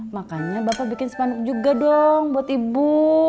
makanya bapak bikin spanduk juga dong buat ibu